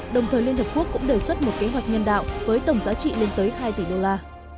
đồng thời liên hợp quốc cũng đề xuất một kế hoạch nhân đạo với tổng giá trị lên tới hai tỷ đô la